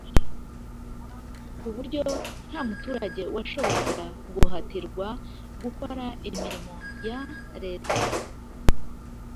ku buryo nta muturage washoboraga guhatirwa gukora imirimo ya Leta